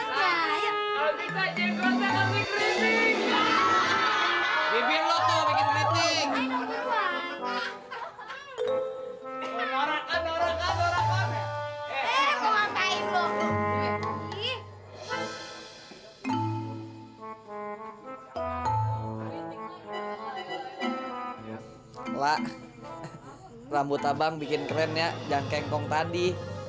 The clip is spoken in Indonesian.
hai mbak rambut abang bikin kerennya jangkengkong tadi